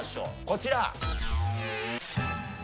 こちら。